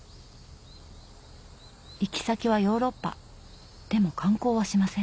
行き先はヨーロッパでも観光はしません。